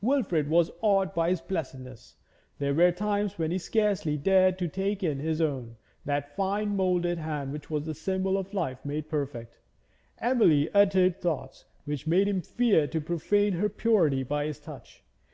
Wilfrid was awed by his blessedness. There were times when he scarcely dared to take in his own that fine moulded hand which was the symbol of life made perfect; Emily uttered thoughts which made him fear to profane her purity by his touch.